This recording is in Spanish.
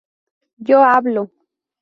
Yo hablo.